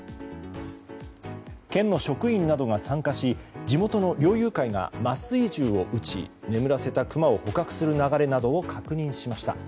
県の職員などが参加し地元の猟友会が麻酔銃を撃ち眠らせたクマを捕獲する流れなどを確認しました。